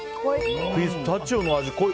ピスタチオの味、濃い！